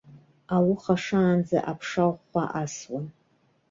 Ауха шаанӡа аԥша ӷәӷәа асуан.